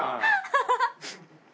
ハハハッ。